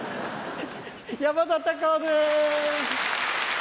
山田隆夫です。